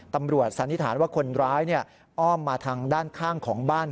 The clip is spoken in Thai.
สันนิษฐานว่าคนร้ายอ้อมมาทางด้านข้างของบ้าน